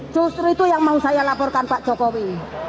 justru itu yang mau saya laporkan pak jokowi